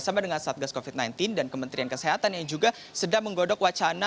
sama dengan satgas covid sembilan belas dan kementerian kesehatan